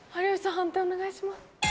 判定お願いします。